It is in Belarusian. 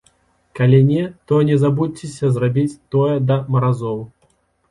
Калі не, то не забудзьцеся зрабіць тое да маразоў.